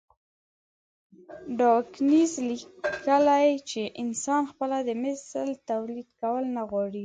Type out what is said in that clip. ډاوکېنز ليکلي چې انسان خپله د مثل توليد کول نه غواړي.